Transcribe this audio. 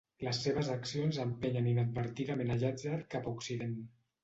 Les seves accions empenyen inadvertidament a Llàtzer cap a Occident.